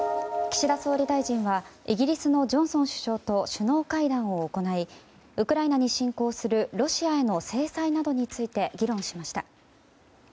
岸田総理大臣はイギリスのジョンソン首相と首脳会談を行いウクライナに侵攻するロシアへの制裁などについて議論しました。